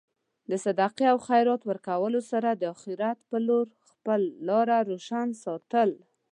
د صدقې او خیرات ورکولو سره د اخرت په لور خپل لاره روشن ساتل.